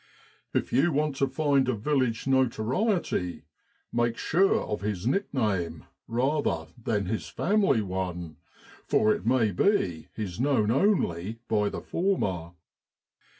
If you want to find a village notoriety, make sure of his nickname rather than his family one, for it may be he's known only by the former.